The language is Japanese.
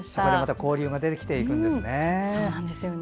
交流ができていくんですね。